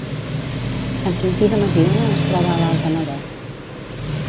Sant Quintí de Mediona es troba a l’Alt Penedès